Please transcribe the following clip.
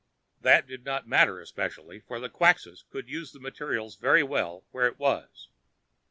That did not matter especially, for the Quxas could use the material very well where it was.